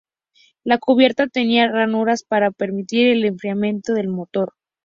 La cubierta tenía ranuras para permitir el enfriamiento del motor.